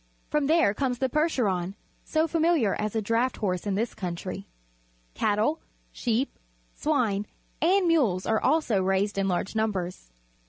From there comes the Percheron, so familiar as a draft horse in this country. Cattle, sheep, swine, and mules are also raised in large numbers.